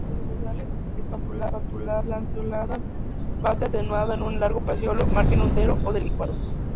Las basales espatuladas, lanceoladas, base atenuada en un largo pecíolo, margen entero o denticulado.